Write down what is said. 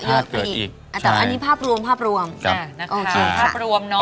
แต่ว่านี่ภาพรวม